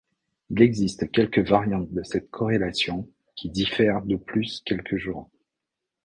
Il existe quelques variantes de cette corrélation qui diffèrent d'au plus quelques jours.